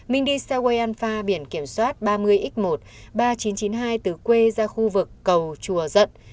minh đi xe quay an pha biển kiểm soát ba mươi x một ba nghìn chín trăm chín mươi hai từ quê ra khu vực cầu chùa dận